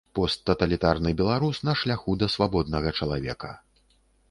Посттаталітарны беларус на шляху да свабоднага чалавека.